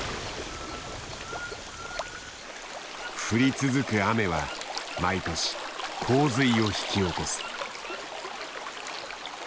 降り続く雨は毎年洪水を引き起こす。